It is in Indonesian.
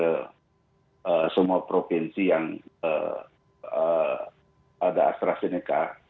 ke semua provinsi yang ada astrazeneca